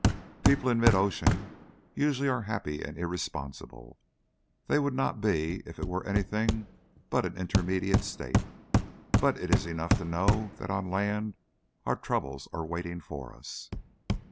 "People in mid ocean usually are happy and irresponsible. They would not be if it were anything but an intermediate state. But it is enough to know that on land our troubles are waiting for us."